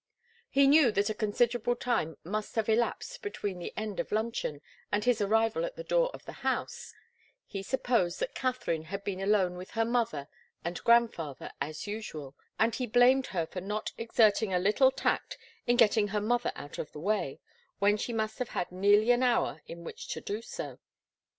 He knew that a considerable time must have elapsed between the end of luncheon and his arrival at the door of the house; he supposed that Katharine had been alone with her mother and grandfather, as usual, and he blamed her for not exerting a little tact in getting her mother out of the way, when she must have had nearly an hour in which to do so.